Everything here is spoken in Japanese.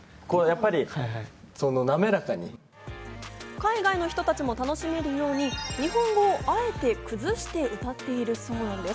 海外の人たちも楽しめるように、日本語をあえて崩して歌っているそうなんです。